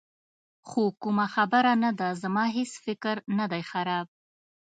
خو کومه خبره نه ده، زما هېڅ فکر نه دی خراب.